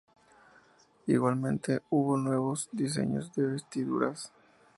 Igualmente hubo nuevos diseños de vestiduras.